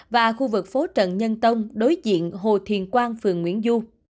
và khu vực phố trần nhân tông đối diện hồ thiền quang phường nguyễn du